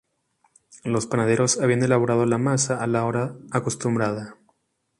Los panaderos habían elaborado la masa a la hora acostumbrada